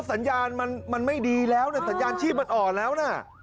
สัญญาณชีพมันอ่อนแล้วนะ